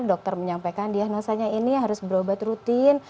dokter menyampaikan dia rasanya ini harus berobat rutin